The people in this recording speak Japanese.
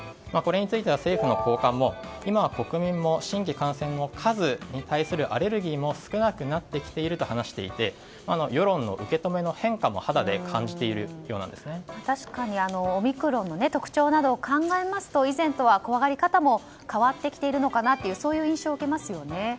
これについては政府の高官も今は国民も新規感染者の数に対するアレルギーも少なくなってきていると話していて世論の受け止めの変化も肌で確かにオミクロンの特徴などを考えますと以前とは怖がり方も変わってきているのかなとそういう印象を受けますよね。